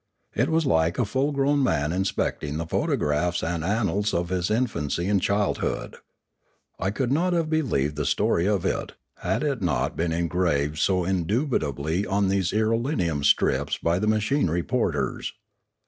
It was like a full grown man inspecting the photographs and annals of his infancy and childhood. I could not have believed the story of it, had it not been engraved so indubitably on these irelium strips by the machine reporters.